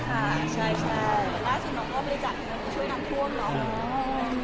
ล่าสุดน้องก็ไปจัดช่วยน้ำท่วมหรือ